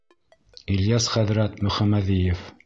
Ильяс хәҙрәт Мөхәмәҙиев: